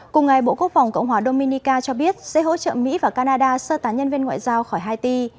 cùng ngày bộ quốc phòng cộng hòa dominica cho biết sẽ hỗ trợ mỹ và canada sơ tán nhân viên ngoại giao khỏi haiti